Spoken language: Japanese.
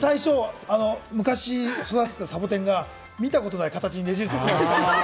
昔、育ててたサボテンが見たことない形にねじれてたの。